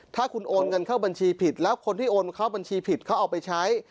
ถ้าคุณโอนเงินเข้าบัญชีผิดแล้วคนที่โอนเข้าบัญชีผิดเขาเอาไปใช้